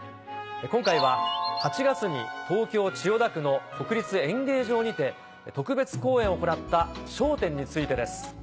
今回は８月に東京・千代田区の国立演芸場にて特別公演を行った『笑点』についてです。